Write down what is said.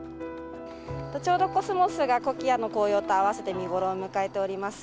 ちょうどコスモスがコキアの紅葉と合わせて見頃を迎えております。